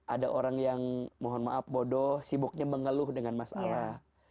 ada orang yang mohon maaf bodoh sibuknya mengeluh dengan masalah